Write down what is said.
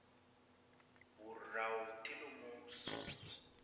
Wùr ráw ti lumo súu.